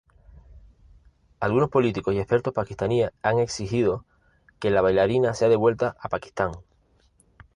Algunos políticos y expertos paquistaníes han exigido que la bailarina sea "devuelta" a Pakistán.